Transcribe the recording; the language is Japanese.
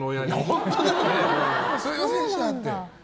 本当に、すみませんでしたって。